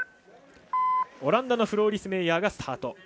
オランダのフローリス・メイヤースタート。